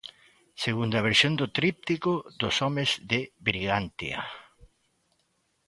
Segunda versión do tríptico dos homes de Brigantia.